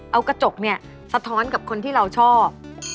เอากระจกเนี่ยสะท้อนกับคนที่เราชอบ